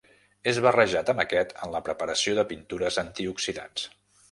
És barrejat amb aquest en la preparació de pintures antioxidants.